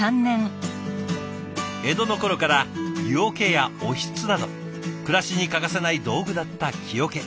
江戸の頃から湯涌やおひつなど暮らしに欠かせない道具だった木桶。